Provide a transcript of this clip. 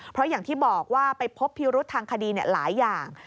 เพราะอย่างที่บอกว่าไปพบพิรุษทางคดีหลายอย่าง